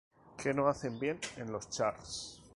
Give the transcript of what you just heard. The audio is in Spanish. Que no hacen bien en los charts.